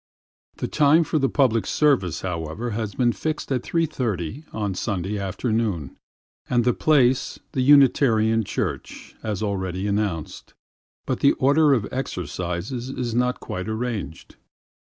The time for the public services, however, has been fixed at 3:30 on Sunday afternoon, and the place the Unitarian Church, as already announced, but the order of exercises is not quite arranged.